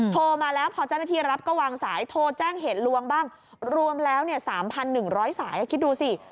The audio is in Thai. โทรมาแล้วพอเจ้าหน้าที่รับก็วางสายโทรแจ้งเหตุลวงบ้างรวมแล้ว๓๑๐๐สายคิดดูสิ